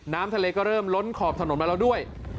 น้ำทะเลก็เริ่มล้นขอบถนนมาแล้วด้วย